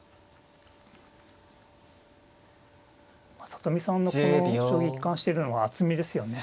里見さんのこの将棋一貫してるのは厚みですよね。